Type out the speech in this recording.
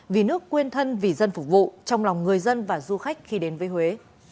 vì nước quên thân vì dân phục vụ trong lòng người dân và du khách khi đến với huế